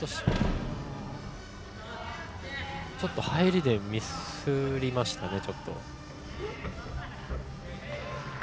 ちょっと入りでミスりましたね。